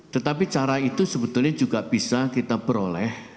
tetapi cara itu sebetulnya juga bisa kita peroleh